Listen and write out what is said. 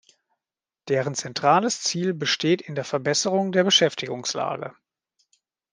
Deren zentrales Ziel besteht in der Verbesserung der Beschäftigungslage.